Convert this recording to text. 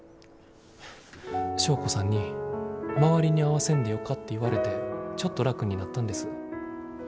祥子さんに周りに合わせんでよかって言われてちょっと楽になったんです。